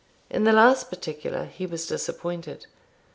In the last particular he was disappointed.